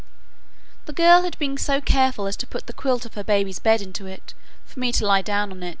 The girl had been so careful as to put the quilt of her baby's bed into it, for me to lie down on.